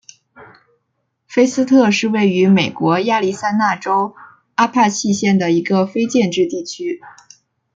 菲斯特是位于美国亚利桑那州阿帕契县的一个非建制地区。